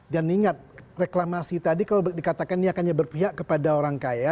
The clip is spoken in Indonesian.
dan ingat reklamasi tadi kalau dikatakan niatannya berpihak kepada orang kaya